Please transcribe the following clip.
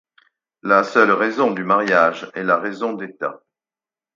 La seule raison du mariage est la raison d’État.